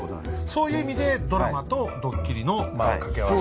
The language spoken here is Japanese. そういう意味でドラマとドッキリの掛け合わせた。